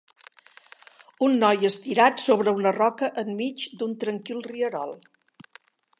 Un noi estirat sobre una roca en mig d'un tranquil rierol.